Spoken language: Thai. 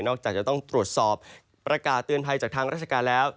จากจะต้องตรวจสอบประกาศเตือนภัยจากทางราชการแล้ว